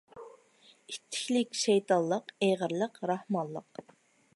ئىتتىكلىك—شەيتانلىق، ئېغىرلىق—راھمانلىق.